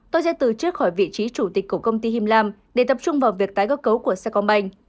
tôi sẽ tử chức khỏi vị trí chủ tịch của công ty him lam để tập trung vào việc tái cơ cấu của saigon bank